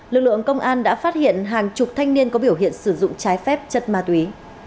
lực lượng công an đã phát hiện hàng chục thanh niên có biểu hiện sử dụng trái phép chất ma túy